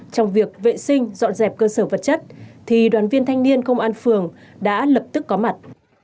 trong việc vệ sinh dọn dẹp cơ sở vật chất thì đoàn viên thanh niên công an phường đã lập tức có mặt